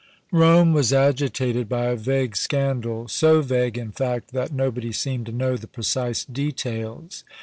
Rome was agitated by a vague scandal, so vague, in fact, that nobody seemed to know the precise details.